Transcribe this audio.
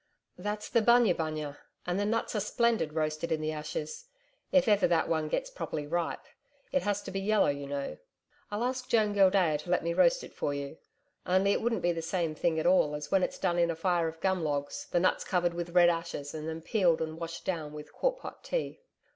'That's the bunya bunya, and the nuts are splendid roasted in the ashes if ever that one gets properly ripe it has to be yellow, you know I'll ask Joan Gildea to let me roast it for you. Only it wouldn't be the same thing at all as when it's done in a fire of gum logs, the nuts covered with red ashes, and then peeled and washed down with quartpot tea....'